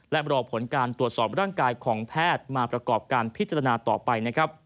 และรอผลการตรวจสอบร่างกายของแพทย์มาประกอบการพิจารณาต่อไปนะครับ